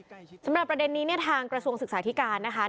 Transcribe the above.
แล้วก็ย้ำว่าจะเดินหน้าเรียกร้องความยุติธรรมให้ถึงที่สุด